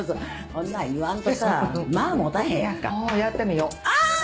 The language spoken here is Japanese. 「こんなん言わんとさ間もたへんやんか」「ああーやってみよう」「ああー！」